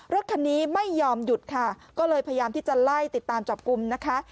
รถคันนี้ไม่ยอมหยุดค่ะก็เลยพยายามที่จะไล่ติดตามจับกลุ่มนะคะ